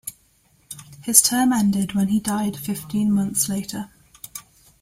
His term ended when he died fifteen months later.